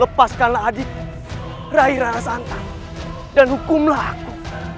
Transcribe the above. lepaskanlah adik rai rana santan dan hukumlah aku